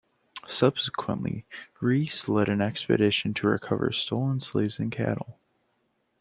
Subsequently, Rees led an expedition to recover stolen slaves and cattle.